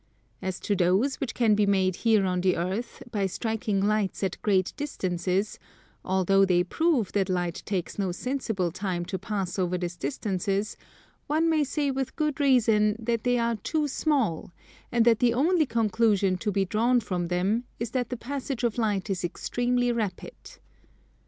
As to those which can be made here on the Earth, by striking lights at great distances, although they prove that light takes no sensible time to pass over these distances, one may say with good reason that they are too small, and that the only conclusion to be drawn from them is that the passage of light is extremely rapid.